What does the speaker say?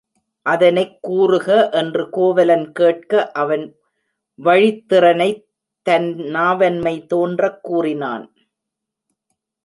அதனைக் கூறுக என்று கோவலன் கேட்க அவன் வழித்திறத்தைத் தன் நாவன்மை தோன்றக் கூறினான்.